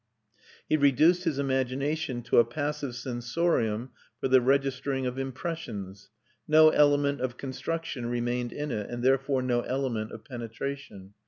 He reduced his imagination to a passive sensorium for the registering of impressions. No element of construction remained in it, and therefore no element of penetration.